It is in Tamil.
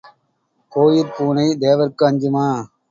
கோயிற் பூனை தேவர்க்கு அஞ்சுமா?